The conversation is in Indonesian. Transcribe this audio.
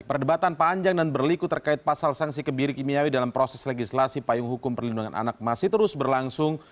perdebatan panjang dan berliku terkait pasal sanksi kebiri kimiawi dalam proses legislasi payung hukum perlindungan anak masih terus berlangsung